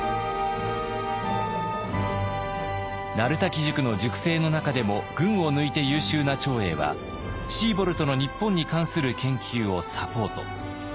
鳴滝塾の塾生の中でも群を抜いて優秀な長英はシーボルトの日本に関する研究をサポート。